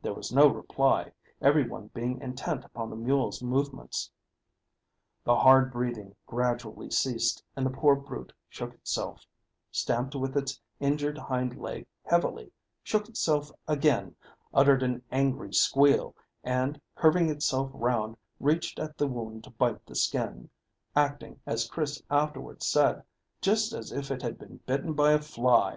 There was no reply, every one being intent upon the mule's movements. The hard breathing gradually ceased, and the poor brute shook itself, stamped with its injured hind leg heavily, shook itself again, uttered an angry squeal, and curving itself round reached at the wound to bite the skin, acting, as Chris afterwards said, just as if it had been bitten by a fly.